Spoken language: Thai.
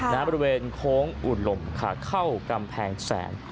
บริเวณโค้งอุ่นลมขาเข้ากำแพงแสน